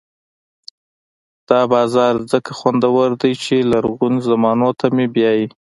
دا بازار ځکه خوندور دی چې لرغونو زمانو ته مې بیايي.